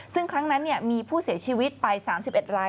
ซึ่งครั้งนั้นมีผู้เสียชีวิตไป๓๑ราย